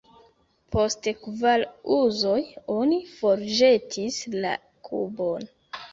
Post kvar uzoj, oni forĵetis la kubon.